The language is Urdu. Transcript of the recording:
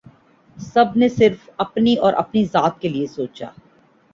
سب نے صرف اور صرف اپنی ذات کے لیئے سوچا